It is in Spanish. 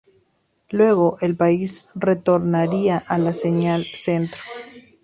Luego, el país retornaría a la señal Centro.